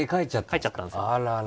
帰っちゃったんですよ。